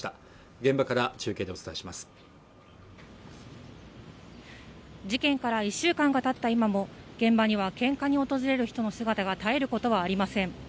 現場から中継でお伝えします事件から１週間がたった今も現場には献花に訪れる人の姿が絶えることはありません